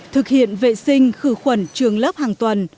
thực hiện vệ sinh khử khuẩn trường lớp hàng tuần